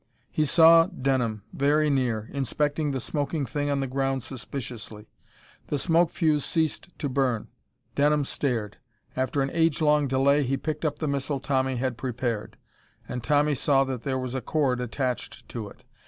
He saw Denham, very near, inspecting the smoking thing on the ground suspiciously. The smoke fuse ceased to burn. Denham stared. After an age long delay, he picked up the missile Tommy had prepared. And Tommy saw that there was a cord attached to it.